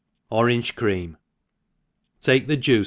« Orange Cream, • TAKE the'juice.